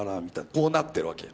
こうなってるわけよ。